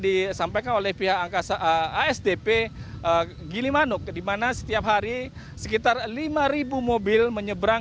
disampaikan oleh pihak angkasa asdp gilimanuk dimana setiap hari sekitar lima ribu mobil menyeberang